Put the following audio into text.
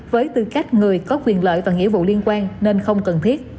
với tư cách người có quyền lợi và nghĩa vụ liên quan nên không cần thiết